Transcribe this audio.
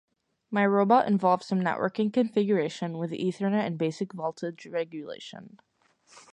My robot involves some networking configuration with Ethernet and basic voltage regulation.